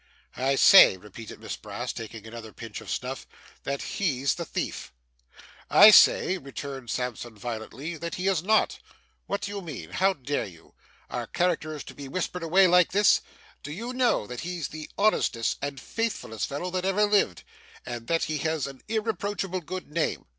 'I say,' repeated Miss Brass, taking another pinch of snuff, 'that he's the thief.' 'I say,' returned Sampson violently, 'that he is not. What do you mean? How dare you? Are characters to be whispered away like this? Do you know that he's the honestest and faithfullest fellow that ever lived, and that he has an irreproachable good name?